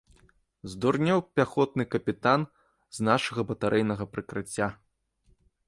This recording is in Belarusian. Здурнеў пяхотны капітан з нашага батарэйнага прыкрыцця.